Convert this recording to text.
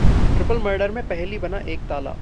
triple murder में पहेली बना एक ताला